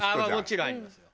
もちろんありますよ。